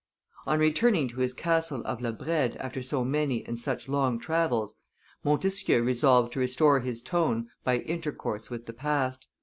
On returning to his castle of La Brede after so many and such long travels, Montesquieu resolved to restore his tone by intercourse with the past.